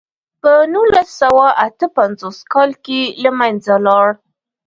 په نولس سوه اته پنځوس کال کې له منځه لاړ.